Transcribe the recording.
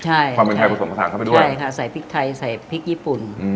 ใช่ความเป็นไทยผสมผสานเข้าไปด้วยใช่ค่ะใส่พริกไทยใส่พริกญี่ปุ่นอืม